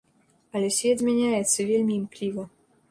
Але свет змяняецца вельмі імкліва.